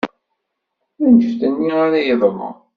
D annect-nni ara d-yeḍrun.